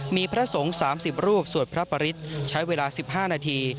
มีพระสงฆ์๓๐รูปสวดพระปริศใช้เวลา๑๕นาที